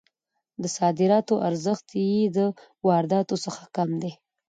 د صادراتو ارزښت یې د وارداتو څخه کم دی.